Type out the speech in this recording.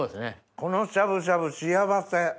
このしゃぶしゃぶ幸せ。